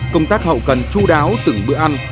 công tác hậu cần chú đáo từng bữa ăn